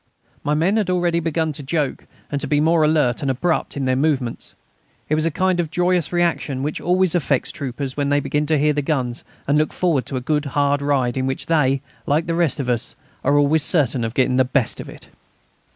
My men had already begun to joke and to be more alert and abrupt in their movements. It was a kind of joyous reaction which always affects troopers when they begin to hear the guns and look forward to a good hard ride in which they, like the rest of us, are always certain of getting the best of it.